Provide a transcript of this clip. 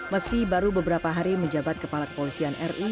meski baru beberapa hari menjabat kepala kepolisian ri